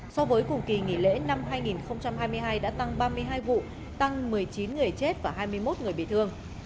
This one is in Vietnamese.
so với cùng kỳ nghỉ lễ năm hai nghìn hai mươi hai đã tăng ba mươi hai vụ tăng một mươi chín người chết và hai mươi một người bị thương